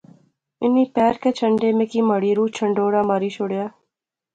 انیں پیر کہہ جھنڈے میں کی مہاڑے روح کی چھنڈوڑا ماری شوڑیا